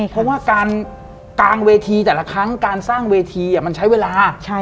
เพราะว่าการกางเวทีแต่ละครั้งการสร้างเวทีมันใช้เวลา